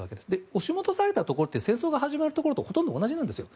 押し戻されたところって戦争が始まったところとほぼ同じなんです。